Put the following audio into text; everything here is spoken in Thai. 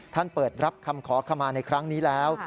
ท่านเปิดรับคำขอขมาในครั้งนี้แล้ว